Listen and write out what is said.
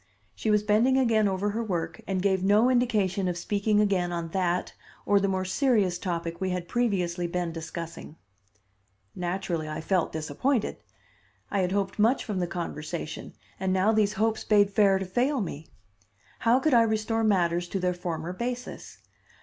She was bending again over her work, and gave no indication of speaking again on that or the more serious topic we had previously been discussing. Naturally I felt disappointed. I had hoped much from the conversation, and now these hopes bade fair to fail me. How could I restore matters to their former basis?